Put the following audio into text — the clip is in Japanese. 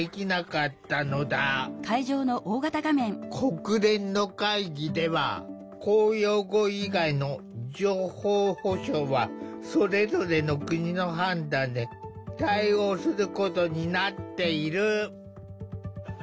国連の会議では公用語以外の情報保障はそれぞれの国の判断で対応することになっている。